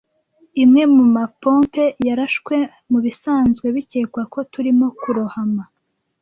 Imwe mumapompe yarashwe, mubisanzwe bikekwa ko turimo kurohama.